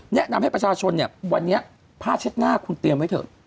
แนะนำให้ประชาชนเนี่ยวันนี้ผ้าเช็ดหน้าคุณเตรียมไว้เถอะ